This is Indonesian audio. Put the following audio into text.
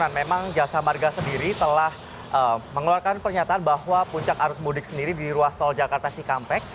dan memang jasa marga sendiri telah mengeluarkan pernyataan bahwa puncak arus mudik sendiri di ruas tol jakarta cikampek